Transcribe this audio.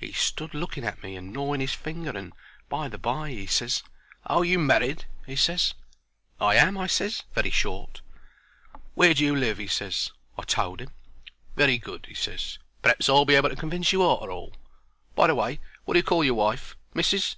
He stood looking at me and gnawing 'is finger, and by and by he ses, "Are you married?" he ses. "I am," I ses, very short. "Where do you live?" he ses. I told 'im. "Very good," he ses; "p'r'aps I'll be able to convince you arter all. By the way, wot do you call your wife? Missis?"